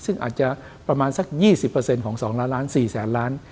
ซึ่งอาจจะประมาณสัก๒๐ของ๒๔แสนล้านบาท